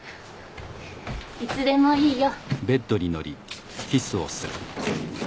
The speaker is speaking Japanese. いつでもいいよ。